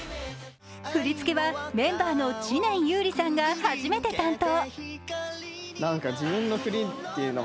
振付けはメンバーの知念侑李さんが初めて担当。